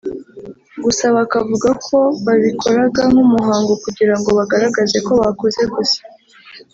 gusa bakavuga ko babikoraga nk’umuhango kugira ngo bagaragaze ko bakoze gusa